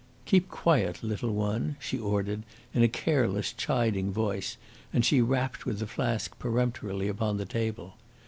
"Keep quiet, little one!" she ordered in a careless, chiding voice, and she rapped with the flask peremptorily upon the table.